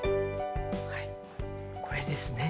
はいこれですね。